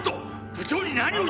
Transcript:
部長に何を！